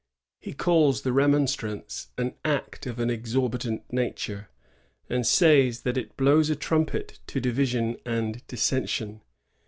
He calls the remonstrance ^an act of an exorbitant nature," and says that it ^ blows a trumpet to division and dissension."